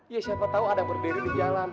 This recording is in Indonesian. ya siapa tau ada berdiri di jalan